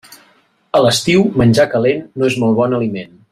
A l'estiu menjar calent no és molt bon aliment.